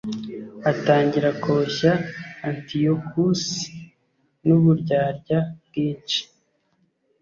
atangira koshya antiyokusi n'uburyarya bwinshi